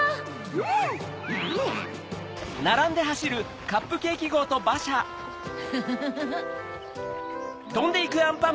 うん。フフフ！